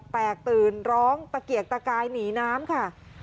แตกตื่นร้องตะเกียกตะกายหนีน้ำค่ะ